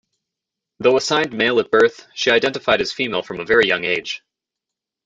Though assigned male at birth, she identified as female from a very young age.